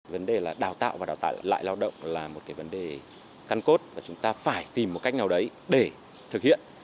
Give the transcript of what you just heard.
vấn đề là đào tạo và đào tạo lại lao động là một cái vấn đề căn cốt và chúng ta phải tìm một cách nào đấy để thực hiện